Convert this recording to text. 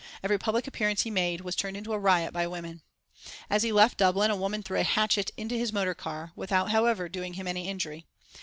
Every public appearance he made was turned into a riot by women. As he left Dublin a woman threw a hatchet into his motor car, without, however, doing him any injury.